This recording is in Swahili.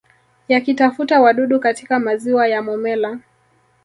Yakitafuta wadudu katika maziwa ya Momella